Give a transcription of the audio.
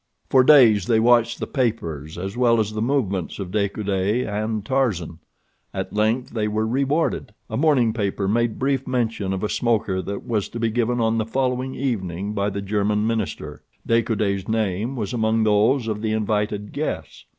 For days they watched the papers as well as the movements of De Coude and Tarzan. At length they were rewarded. A morning paper made brief mention of a smoker that was to be given on the following evening by the German minister. De Coude's name was among those of the invited guests.